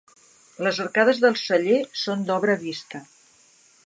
Les arcades del celler són d'obra vista.